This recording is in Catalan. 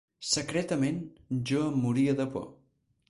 Secretament, jo em moria de por.